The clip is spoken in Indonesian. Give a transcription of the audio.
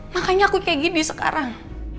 makanya aku kayak gini sekarang